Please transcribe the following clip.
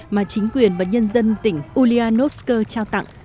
mà chính quyền và nhân dân tỉnh ulyanovsk trao tặng